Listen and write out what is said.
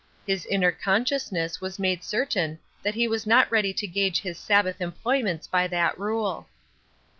His inner consciousness was made certain that he was not ready to gauge his Sabbath employments by that rule.